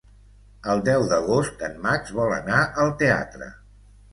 El deu d'agost en Max vol anar al teatre.